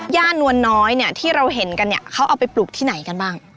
ย่านวนน้อยที่เราเห็นกันเขาเอาไปปลูกที่ไหนกันบ้าง